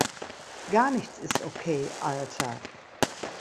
Gar nichts ist okay, Alter!